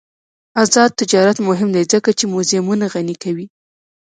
آزاد تجارت مهم دی ځکه چې موزیمونه غني کوي.